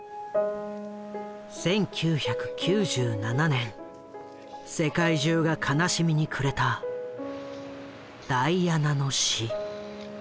１９９７年世界中が悲しみに暮れたダイアナの死。